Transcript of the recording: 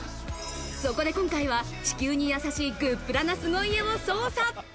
そこで今回は地球にやさしいグップラな凄家を捜査。